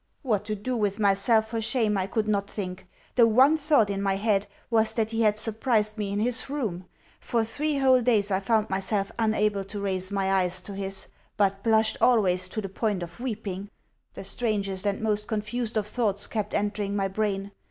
What to do with myself for shame I could not think. The one thought in my head was that he had surprised me in his room. For three whole days I found myself unable to raise my eyes to his, but blushed always to the point of weeping. The strangest and most confused of thoughts kept entering my brain.